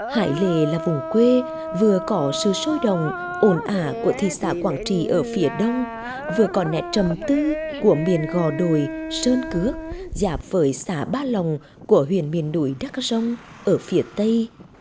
hải lề là vùng quê vừa có sự sôi đồng ồn ả của thị xã quảng trì ở phía đông vừa có nẹt trầm tư của miền gò đồi sơn cước giảp với xã ba lòng của huyền miền đuổi đắc rông ở phía tây